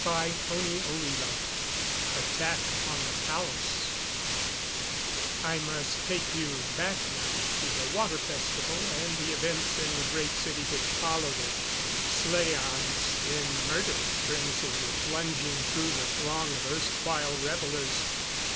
CHAPTER XXIV Attack on the Palace I must take you back now to the Water Festival and the events in the Great City which followed it. Slaans in murderous frenzy were plunging through the throng of erstwhile revelers.